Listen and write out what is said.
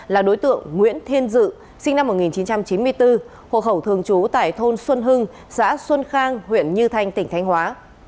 là đối tượng nguyễn thiên dự sinh năm một nghìn chín trăm chín mươi bốn hộ khẩu thường trú tại thôn xuân hưng xã xuân khang huyện như thanh tỉnh thanh hóa